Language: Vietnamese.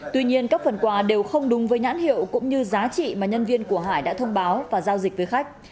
tuy nhiên các phần quà đều không đúng với nhãn hiệu cũng như giá trị mà nhân viên của hải đã thông báo và giao dịch với khách